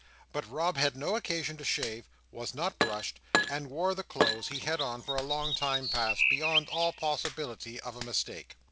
But Rob had no occasion to shave, was not brushed, and wore the clothes he had on for a long time past, beyond all possibility of a mistake.